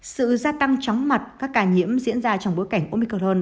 sự gia tăng chóng mặt các ca nhiễm diễn ra trong bối cảnh omicron